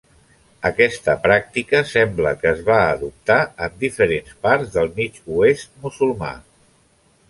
Aquesta pràctica sembla que es va adoptar en diferents parts del mig oest musulmà.